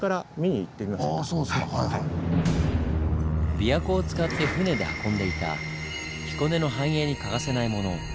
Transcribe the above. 琵琶湖を使って船で運んでいた彦根の繁栄に欠かせないもの。